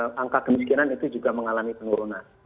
angka kemiskinan itu juga mengalami penurunan